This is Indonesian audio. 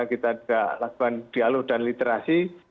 kita juga lakukan dialog dan literasi